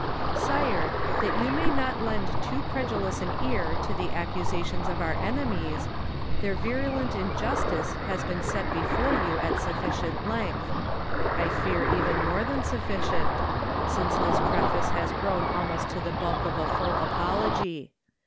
Sire, that you may not lend too credulous an ear to the accusations of our enemies, their virulent injustice has been set before you at sufficient length: I fear even more than sufficient, since this preface has grown almost to the bulk of a full apology.